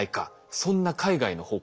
そんな海外の報告